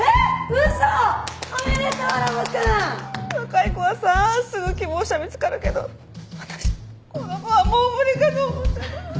若い子はさすぐ希望者見つかるけど私この子はもう無理かと思ってた。